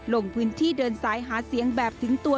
ลงพื้นที่เดินสายหาเสียงแบบถึงตัว